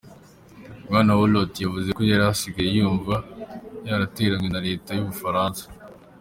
Bwana Hulot yavuze ko yari asigaye yumva “yaratereranwe” na leta y’Ubufaransa.